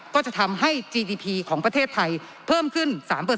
ก็จะทำให้จีดีพีของประเทศไทยเพิ่มขึ้น๓